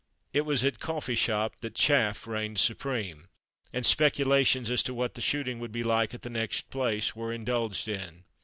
It was at "coffee shop" that "chaff" reigned supreme, and speculations as to what the shooting would be like at the next place were indulged in.